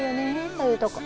そういうとこ。